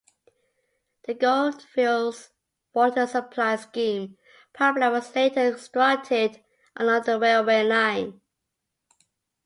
The Goldfields Water Supply Scheme pipeline was later constructed along the railway line.